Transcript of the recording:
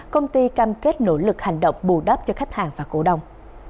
công ty cam kết nỗ lực hành động bù đắp cho khách hàng và cổ đông